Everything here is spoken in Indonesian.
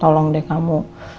tolong deh kamu